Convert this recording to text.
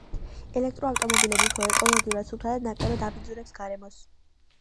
ელექტრო ავტომობილები უფრო ეკოლოგიურად სუფთაა და ნაკლებად აბინძურებს გარემოს.